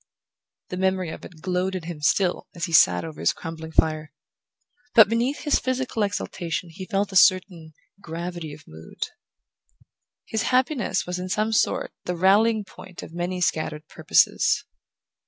The memory of it glowed in him still as he sat over his crumbling fire; but beneath his physical exultation he felt a certain gravity of mood. His happiness was in some sort the rallying point of many scattered purposes.